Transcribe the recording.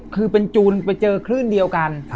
คือเป็นจูนไปเจอคลื่นเดียวกัน